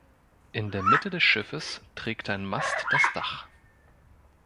In der Mitte des Schiffes trägt ein Mast das Dach.